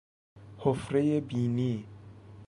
حفرهی بینی